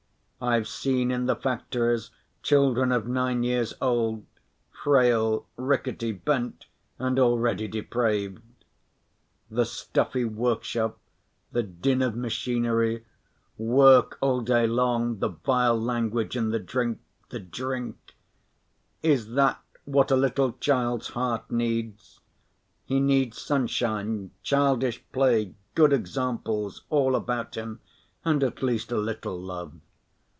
I've seen in the factories children of nine years old, frail, rickety, bent and already depraved. The stuffy workshop, the din of machinery, work all day long, the vile language and the drink, the drink—is that what a little child's heart needs? He needs sunshine, childish play, good examples all about him, and at least a little love.